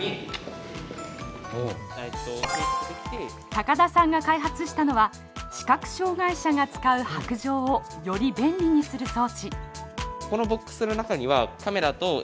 高田さんが開発したのは視覚障害者が使う白杖をより便利にする装置。